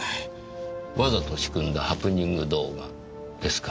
わざと仕組んだハプニング動画ですか。